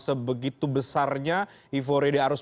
sebegitu besarnya ivo redi arus